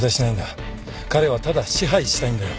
彼はただ支配したいんだよ。